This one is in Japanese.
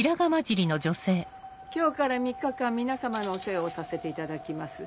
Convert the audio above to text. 今日から３日間皆様のお世話をさせていただきます